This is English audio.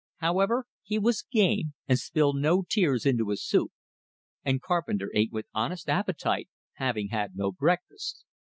However, he was game, and spilled no tears into his soup; and Carpenter ate with honest appetite, having had no breakfast.